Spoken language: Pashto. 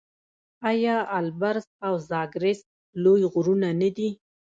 آیا البرز او زاگرس لوی غرونه نه دي؟